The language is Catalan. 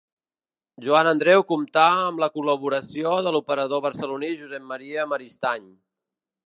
Joan Andreu comptà amb la col·laboració de l'operador barceloní Josep Maria Maristany.